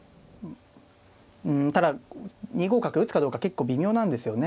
うんただ２五角打つかどうか結構微妙なんですよね。